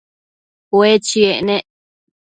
Ue chiec nec